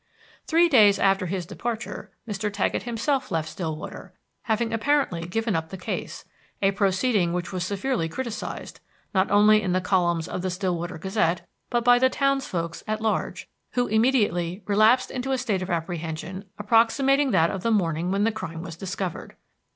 Three days after his departure Mr. Taggett himself left Stillwater, having apparently given up the case; a proceeding which was severely criticized, not only in the columns of The Stillwater Gazette, but by the townsfolks at large, who immediately relapsed into a state of apprehension approximating that of the morning when the crime was discovered.